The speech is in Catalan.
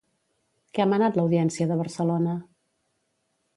Què ha manat l'Audiència de Barcelona?